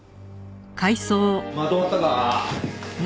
まとまったか？